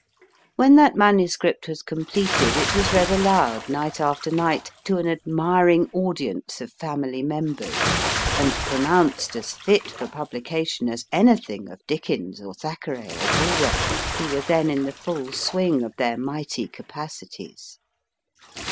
When that manuscript was completed, it was read aloud, night after night, to an admiring audience of family members, and pronounced as fit for publication as anything of Dickens or Thackeray or Bulwer, who were then in the full swing of their mighty capacities.